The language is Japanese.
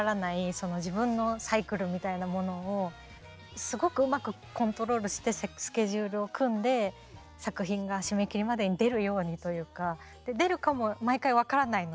その自分のサイクルみたいなものをすごくうまくコントロールしてスケジュールを組んで作品が締め切りまでに出るようにというか出るかも毎回分からないので。